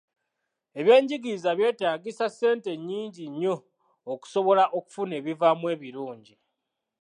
Ebyenjigiriza byetaagisa ssente nnyingi nnyo okusobola okufuna ebivaamu ebirungi.